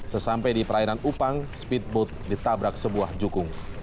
sesampai di perairan upang speedboat ditabrak sebuah jukung